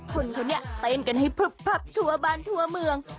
คนตอนนี้เต้นกันให้ครึบทั่วบ้านทั่วเมือง